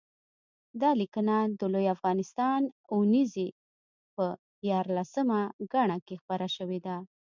دا لیکنه د لوی افغانستان اوونیزې په یارلسمه ګڼه کې خپره شوې ده